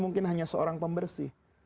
mungkin hanya seorang pembersih